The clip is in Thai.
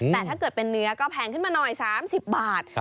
แต่ถ้าเกิดเป็นเนื้อก็แพงขึ้นมาหน่อย๓๐บาท